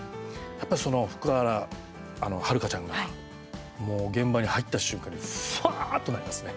やっぱりその福原遥ちゃんがもう現場に入った瞬間にふわっとなりますね。